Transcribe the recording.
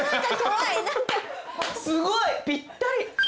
すごいぴったり。